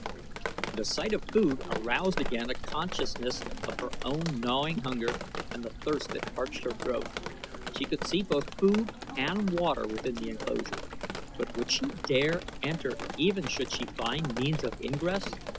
The sight of food aroused again a consciousness of her own gnawing hunger and the thirst that parched her throat. She could see both food and water within the enclosure; but would she dare enter even should she find means of ingress?